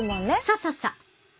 そうそうそう。